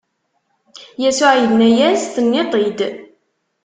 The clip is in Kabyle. Yasuɛ inna-as: Tenniḍ-t-id!